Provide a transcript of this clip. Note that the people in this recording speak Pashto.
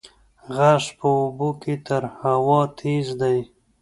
غږ په اوبو کې تر هوا تېز دی.